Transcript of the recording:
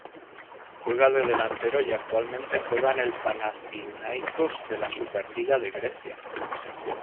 Juega de delantero y actualmente juega en el Panathinaikos de la Superliga de Grecia.